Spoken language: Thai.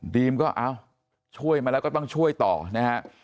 ดรีมก็ช่วยมาแล้วก็ต้องช่วยต่อนะครับ